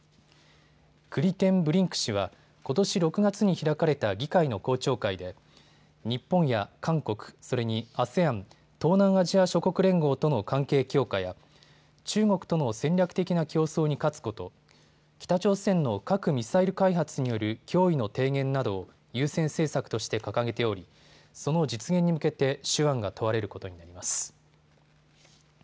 クリテンブリンク氏はことし６月に開かれた議会の公聴会で日本や韓国、それにＡＳＥＡＮ・東南アジア諸国連合との関係強化や中国との戦略的な競争に勝つこと、北朝鮮の核・ミサイル開発による脅威の低減などを優先政策として掲げておりその実現に向けて手腕が問われることになります。